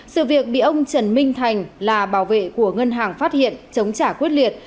sự việc bị ông trần minh thành là bảo vệ của ngân hàng phát hiện chống trả quyết liệt